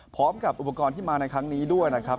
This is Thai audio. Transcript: พร้อมกับอุปกรณ์ที่มาในครั้งนี้ด้วยนะครับ